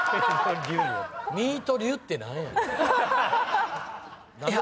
「ミートルユ」って何やねん。